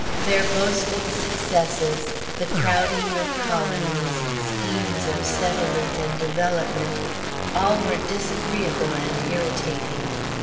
Their boasted successes, the crowding of colonies, schemes of settlement and development, all were disagreeable and irritating.